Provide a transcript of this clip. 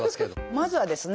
まずはですね